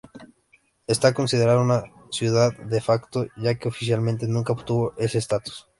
Está considerado una ciudad "de facto", ya que oficialmente nunca obtuvo ese estatus.